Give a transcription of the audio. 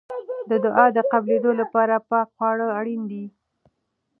د دعا د قبلېدو لپاره پاکه خواړه اړین دي.